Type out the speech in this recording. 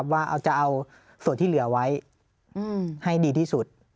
ว่าจะเอาส่วนที่เหลือไว้ให้ดีที่สุด